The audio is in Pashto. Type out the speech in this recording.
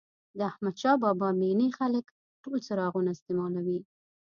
د احمدشاه بابا مېنې خلک ټول څراغونه استعمالوي.